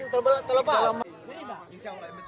iya tidak terlepas